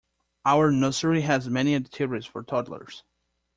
Our nursery has many activities for toddlers.